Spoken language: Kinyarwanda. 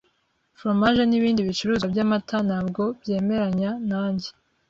Foromaje nibindi bicuruzwa byamata ntabwo byemeranya nanjye.